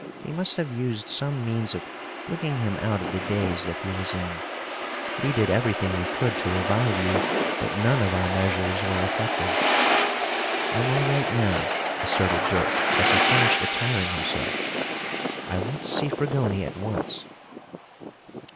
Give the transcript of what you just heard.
They must have used some means of bringing him out of the daze that he was in. We did everything we could to revive you, but none of our measures were effective." "I'm all right now," asserted Dirk, as he finished attiring himself. "I want to see Fragoni at once."